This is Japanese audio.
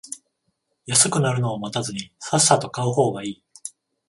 安くなるのを待たずさっさと買う方がいい